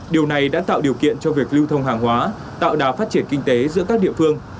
điều này đã tạo điều kiện cho việc lưu thông hàng hóa tạo đà phát triển kinh tế giữa các địa phương